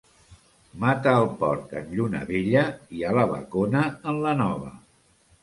Mata el porc en Lluna vella i a la bacona en la nova.